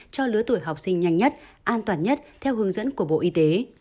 cho lứa tuổi học sinh nhanh nhất an toàn nhất theo hướng dẫn của bộ y tế